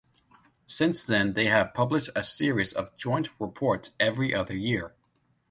Since then they have published a series of "Joint Reports" every other year.